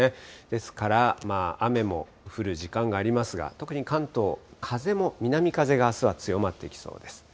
ですから、雨も降る時間がありますが、特に関東、風も、南風があすは強まってきそうです。